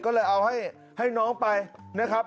ก็เลยเอาให้น้องไปนะครับ